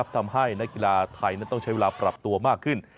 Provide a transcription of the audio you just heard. ทำให้นักกีฬาไทยนั้นต้องใช้เวลาปรับตัวมากขึ้น